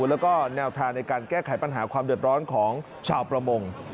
แล้วก็แนวทางในการแก้ไขปัญหาความเดือดร้อนของชาวประมง